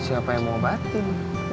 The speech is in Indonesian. siapa yang mau obatin